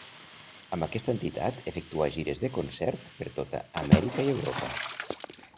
Amb aquesta entitat efectuà gires de concert per tota Amèrica i Europa.